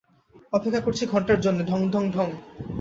অপেক্ষা করছি ঘন্টার জন্যে, ঢং ঢং ঢং।